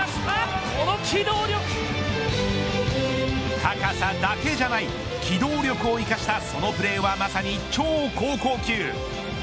高さだけじゃない機動力を生かしたそのプレーはまさに超高校級。